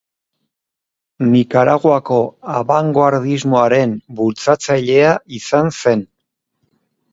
Nikaraguako abangoardismoaren bultzatzailea izan zen.